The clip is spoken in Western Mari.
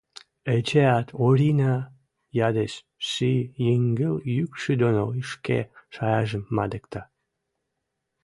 — эчеӓт Оринӓ ядеш, ши йӹнгӹл юкшы доно ӹшке шаяжым мадыкта.